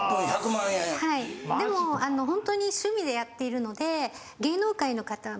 でもあのほんとに趣味でやっているので。